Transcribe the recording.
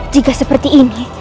jika seperti ini